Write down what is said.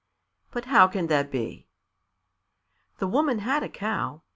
"But how can that be?" "The woman had a cow.